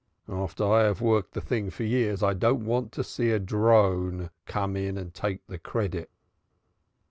After I have worked the thing for years, I don't want to see a drone come in and take the credit."